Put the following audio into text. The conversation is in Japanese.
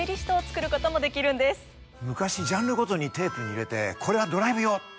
昔ジャンルごとにテープに入れてこれはドライブ用とかあったなぁ。